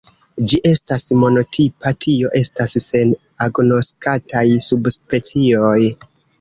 Ĝi estas monotipa, tio estas sen agnoskataj subspecioj.